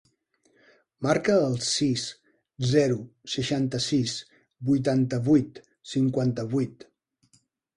Marca el sis, zero, seixanta-sis, vuitanta-vuit, cinquanta-vuit.